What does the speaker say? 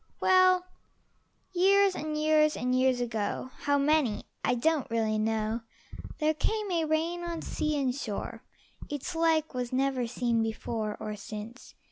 Well, years and years and years ago How many I don't really know There came a rain on sea and shore; Its like was never seen before Or since.